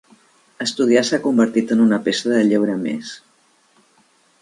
Estudiar s'ha convertit en una peça de lleure més.